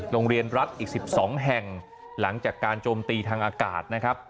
โรงเรียนรัฐอีก๑๒แห่งหลังจากการโจมตีทางอากาศนะครับ